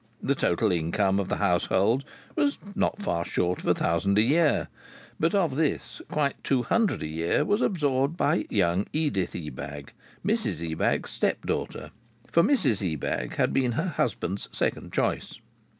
The total income of the household was not far short of a thousand a year, but of this quite two hundred a year was absorbed by young Edith Ebag, Mrs Ebag's step daughter (for Mrs Ebag had been her husband's second choice).